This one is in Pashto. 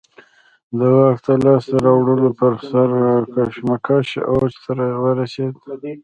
د واک د لاسته راوړلو پر سر کشمکش اوج ته ورسېد.